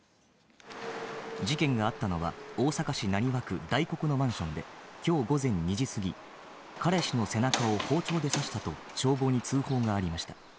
事件があったのは大阪市浪速区大国のマンションで今日午前２時すぎ、彼氏の背中を包丁で刺したと、消防に通報がありました。